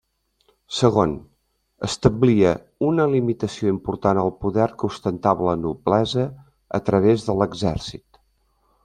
Segon, establia una limitació important al poder que ostentava la noblesa a través de l'exèrcit.